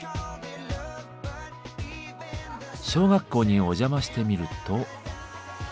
小学校にお邪魔してみると。